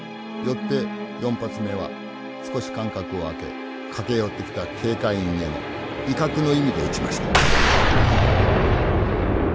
よって４発目は少し間隔を空け駆け寄ってきた警戒員への威嚇の意味で撃ちました。